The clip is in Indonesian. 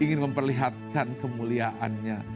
ingin memperlihatkan kemuliaannya